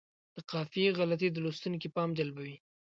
د قافیې غلطي د لوستونکي پام جلبوي.